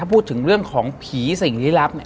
พูดถึงเรื่องของผีสิ่งลี้ลับเนี่ย